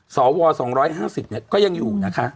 สว๒๕๐เนี่ยก็ยังอยู่นะคะ